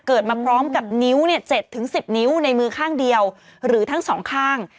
เกิดมาพร้อมกับนิ้ว๗๑๐นิ้วในมือข้างเดียวหรือทั้งสองข้าง